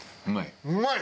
うまい？